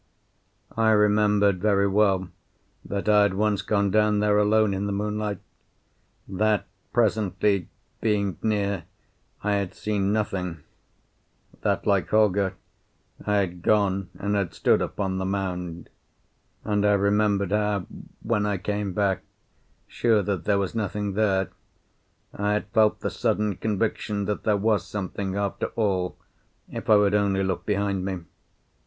I remembered very well that I had once gone down there alone in the moonlight; that presently, being near, I had seen nothing; that, like Holger, I had gone and had stood upon the mound; and I remembered how, when I came back, sure that there was nothing there, I had felt the sudden conviction that there was something after all if I would only look behind me.